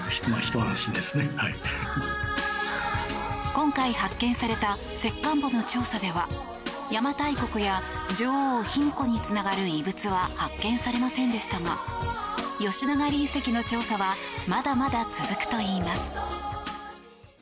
今回発見された石棺墓の調査では、邪馬台国や女王・卑弥呼につながる遺物は発見されませんでしたが吉野ヶ里遺跡の調査はまだまだ続くといいます。